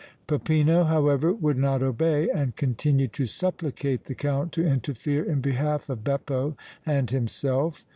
Peppino, however, would not obey and continued to supplicate the Count to interfere in behalf of Beppo and himself.